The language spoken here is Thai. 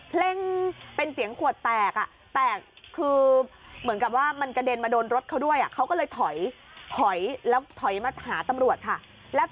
เพลงเป็นเสียงขวดแตก